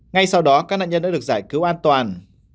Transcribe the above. ngay sau đó các nạn nhân đã được giải cứu an toàn